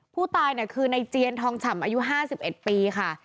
ผู้ตายคือในเจียนทองฉ่ำอายุ๕๑ปีค่ะ